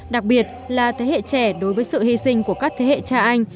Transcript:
đặc biệt là thế hệ trẻ đối với sự hy sinh của các thế hệ cha anh